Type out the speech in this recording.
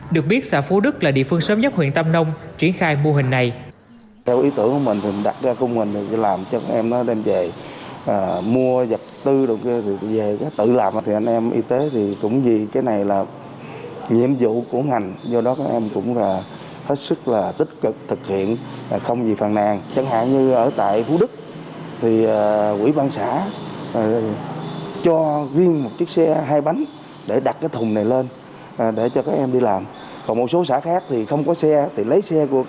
được biết xã phú đức là địa phương sớm nhất huyện tâm nông triển khai mô hình này